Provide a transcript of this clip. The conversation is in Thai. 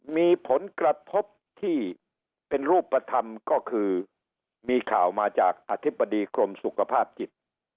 มีผลกระทบที่เป็นรูปธรรมก็คือมีข่าวมาจากอธิบดีกรมสุขภาพจิต